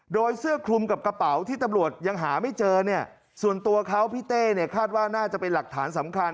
โดยเสื้อคลุมกับกระเป๋าที่ตำรวจยังหาไม่เจอเนี่ยส่วนตัวเขาพี่เต้เนี่ยคาดว่าน่าจะเป็นหลักฐานสำคัญ